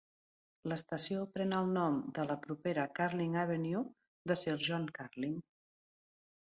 L'estació pren el nom de la propera Carling Avenue i de Sir John Carling.